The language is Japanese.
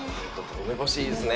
梅干しいいですね。